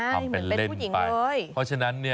เหมือนเป็นผู้หญิงเลย